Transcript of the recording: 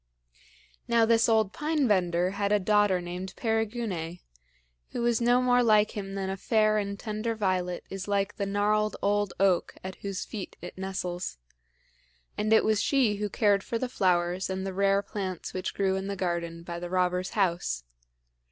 Now this old Pine bender had a daughter named Perigune, who was no more like him than a fair and tender violet is like the gnarled old oak at whose feet it nestles; and it was she who cared for the flowers and the rare plants which grew in the garden by the robber's house.